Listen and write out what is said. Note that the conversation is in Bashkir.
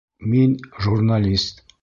Мин -журналист!